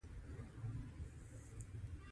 مذهبي سياست ته راغے